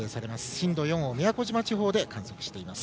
震度４を宮古島地方で観測しています。